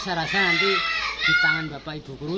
saya rasa nanti di tangan bapak ibu guru